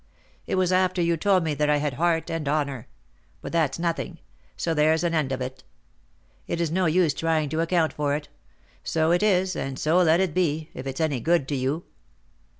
It was after you told me that I had 'heart and honour;' but that's nothing, so there's an end of it. It is no use trying to account for it; so it is, and so let it be, if it's any good to you."